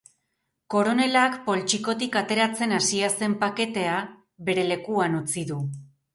Koronelak poltsikotik ateratzen hasia zen paketea bere lekuan utzi du.